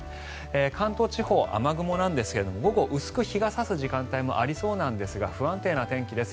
関東地方、雨雲なんですが午後、薄く日が差す時間帯もありそうなんですが不安定な天気です。